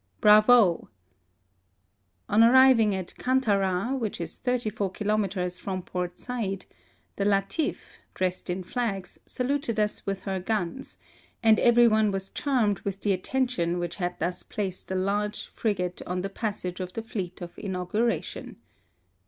(Bravo !) On arriving at Kantara, which is thirty four kilometres from Port Said, the Latif, dressed in flags, saluted us with her guns, and every one was charmed with the attention which had thus placed a large frigate on the passage of the fleet of inauguration.